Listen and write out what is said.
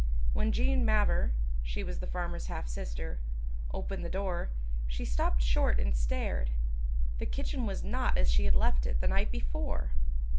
When Jean Mavor she was the farmer's half sister opened the door, she stopped short and stared; the kitchen was not as she had left it the night before!